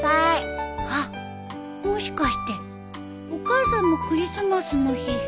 ハッもしかしてお母さんもクリスマスの日